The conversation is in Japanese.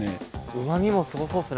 うま味もすごそうっすね